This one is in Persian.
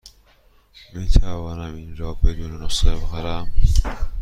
می توانم این را بدون نسخه بخرم؟